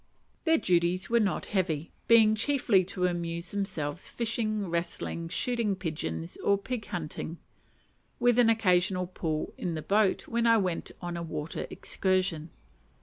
Their duties were not heavy; being chiefly to amuse themselves fishing, wrestling, shooting pigeons, or pig hunting, with an occasional pull in the boat when I went on a water excursion.